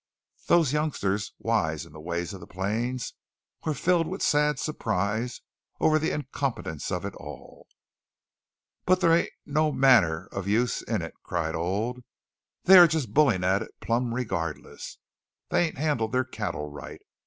Those youngsters, wise in the ways of the plains, were filled with sad surprise over the incompetence of it all. "But thar ain't no manner of use in it!" cried Old. "They are just bullin' at it plumb regardless! They ain't handled their cattle right!